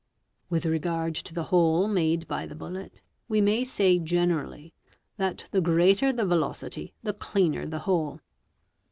_ With regard to the hole made by the bullet, we may say generally that the greater the velocity the cleaner the hole.